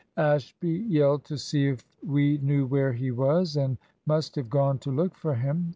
"Ashby yelled to see if we knew where he was, and must have gone to look for him.